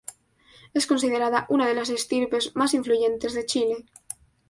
Es considerada una de las estirpes más influyentes de Chile.